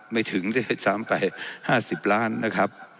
ไม่ถึงจะถามไป๕๐ล้านนะครับ